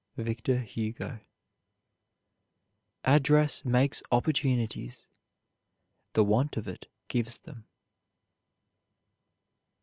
VICTOR HUGO. Address makes opportunities; the want of it gives them.